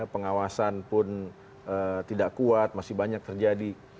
pengawasan pun tidak kuat masih banyak terjadi